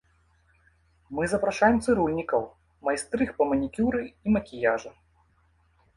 Мы запрашаем цырульнікаў, майстрых па манікюры і макіяжы.